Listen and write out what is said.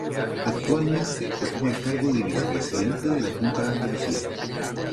Actualmente ocupa el cargo de vicepresidente de la Junta de Andalucía.